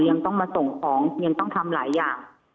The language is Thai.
ยังต้องมาส่งของยังต้องทำหลายอย่าง